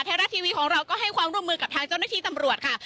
รัฐทีวีของเราก็ให้ความร่วมมือกับทางเจ้าหน้าที่ตำรวจค่ะ